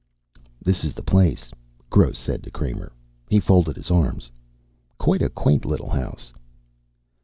"This is the place," Gross said to Kramer. He folded his arms. "Quite a quaint little house."